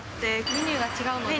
メニューが違うので。